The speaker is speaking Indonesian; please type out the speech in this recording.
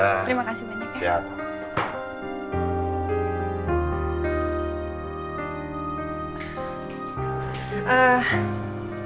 terima kasih banyak ya